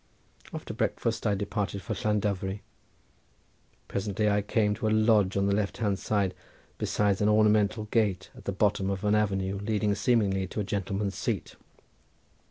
After breakfast I departed for Llandovery. Presently I came to a lodge on the left hand beside an ornamental gate at the bottom of an avenue leading seemingly to a gentleman's seat.